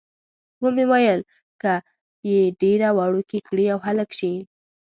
ومې ویل، که یې ډېره وړوکې کړي او هلک شي.